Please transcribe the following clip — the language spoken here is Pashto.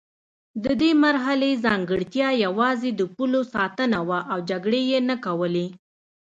د دې مرحلې ځانګړتیا یوازې د پولو ساتنه وه او جګړې یې نه کولې.